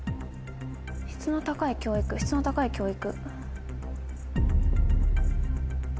「質の高い教育」「質の高い教育」。